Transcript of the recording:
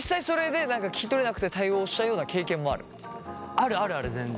あるあるある全然。